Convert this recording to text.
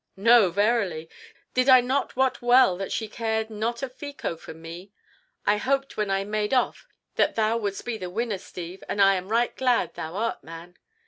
"No, verily. Did I not wot well that she cared not a fico for me? I hoped when I made off that thou wouldst be the winner, Steve, and I am right glad thou art, man."